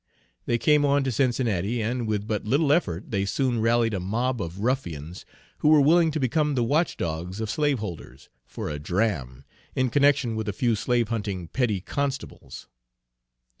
They came on to Cincinnati, and with but little effort they soon rallied a mob of ruffians who were willing to become the watch dogs of slaveholders, for a dram, in connection with a few slavehunting petty constables.